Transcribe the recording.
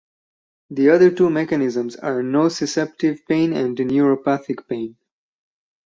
The other two mechanisms are nociceptive pain and neuropathic pain.